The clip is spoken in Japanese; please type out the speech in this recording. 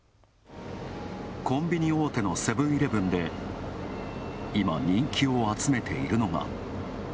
コンビニ大手のセブン‐イレブンで今、人気を集めているのが。